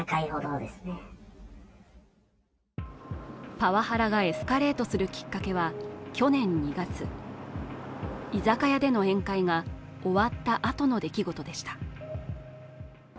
パワハラがエスカレートするきっかけは去年２月居酒屋での宴会が終わったあとの出来事でした。